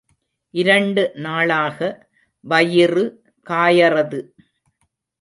இரண்டு நாளாக வயிறு காயறது.